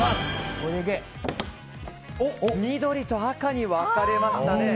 緑と赤に分かれましたね。